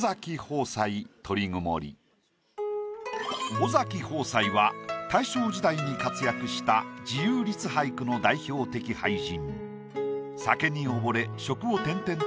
尾崎放哉は大正時代に活躍した自由律俳句の代表的俳人。